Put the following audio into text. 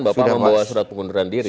bapak membawa surat pengunduran diri